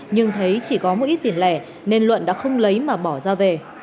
nhưng thấy chỉ có một ít tiền lẻ nên luận đã không lấy mà bỏ ra về